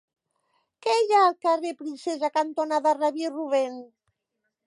Què hi ha al carrer Princesa cantonada Rabí Rubèn?